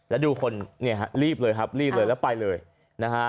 แล้วดูคนเนี่ยฮะรีบเลยครับรีบเลยแล้วไปเลยนะฮะ